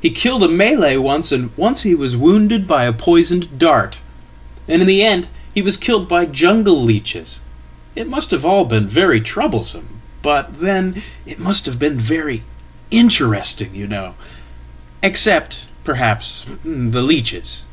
He killeda Malay once, and once he was wounded by a poisoned dart. And in the endhe was killed by jungle leeches. It must have all been very troublesome, but then it must have been very interesting, you know except, perhaps, the leeches.""